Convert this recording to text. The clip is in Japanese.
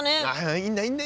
いいんだいいんだ。